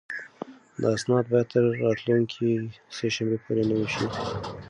دا اسناد باید تر راتلونکې سه شنبې پورې نوي شي.